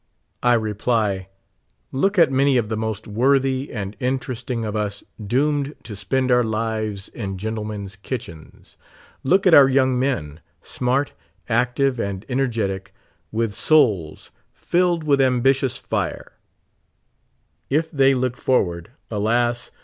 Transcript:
I reply : Look at many of the most worthy and interesting of us doomed to spend our lives in gentlemen's kitchens. Look at our young men — smart, active and energetic, with souls filled with ambitious fire ; if they look forward, alas